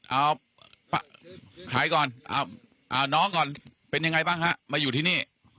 เอาใครก่อนเอาน้องก่อนเป็นยังไงบ้างฮะมาอยู่ที่นี่